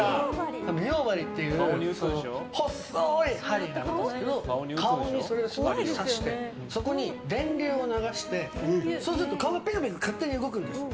美容鍼っていう細い針があるんですけど顔にそれをすごく刺してそこに電流を流してそうすると、顔がぴくぴく勝手に動くんですよ。